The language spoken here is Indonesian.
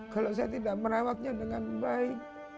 kalau saya tidak merawatnya dengan baik